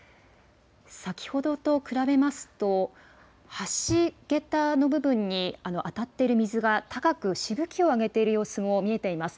先ほどと比べますと、橋桁の部分に当たっている水が高くしぶきを上げている様子も見えています。